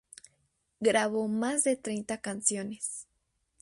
Grabó más de treinta canciones.